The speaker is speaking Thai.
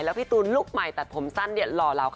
แล้วพี่ตูนลูกใหม่ตัดผมสั้นเนี่ย